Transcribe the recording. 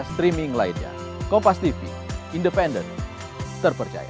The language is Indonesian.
streaming lainnya kompas tv independen terpercaya